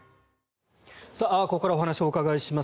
ここからお話をお伺いします